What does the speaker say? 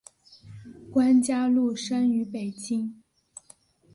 关嘉禄生于北京。